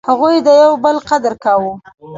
هغوی د یو بل قدر کاوه.